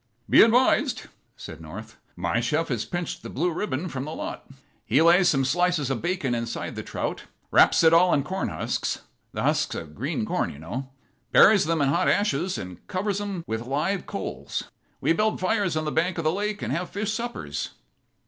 "Be advised," said North. "My chef has pinched the blue ribbon from the lot. He lays some slices of bacon inside the trout, wraps it all in corn husks the husks of green corn, you know buries them in hot ashes and covers them with live coals. We build fires on the bank of the lake and have fish suppers."